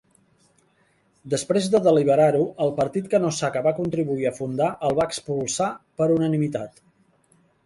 Després de deliberar-ho, el partit que Nosaka va contribuir a fundar el va expulsar per unanimitat.